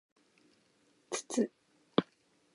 つつ